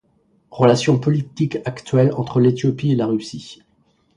Relations politiques actuelles entre l’Éthiopie et la Russie